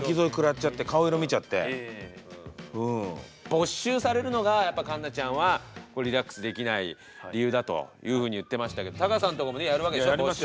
没収されるのがやっぱりかんなちゃんはリラックスできない理由だというふうに言ってましたけどタカさんとこもねやるわけでしょ没収。